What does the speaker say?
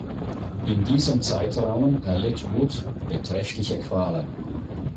In diesem Zeitrahmen erlitt Wood beträchtliche Qualen.